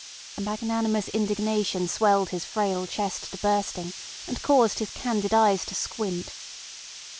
A magnanimous indignation swelled his frail chest to bursting, and caused his candid eyes to squint.